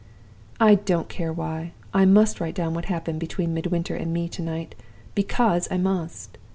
"I don't care why! I must write down what happened between Midwinter and me to night, because I must.